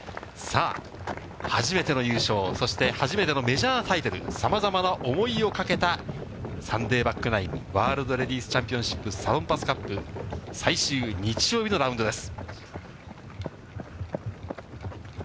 さあ、初めての優勝、そして初めてのメジャータイトル、さまざまな思いをかけたサンデーバックナイン、ワールドレディースチャンピオンカップサロンパスカップ最終日曜日のラウンドです。